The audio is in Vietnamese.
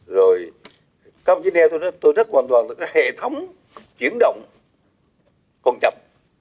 rồi tôi rất hoàn toàn được cái hệ thống chuyển động còn chậm